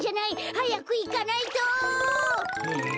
はやくいかないと！